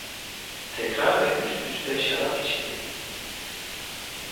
Tekrar ve üst üste şarap içti.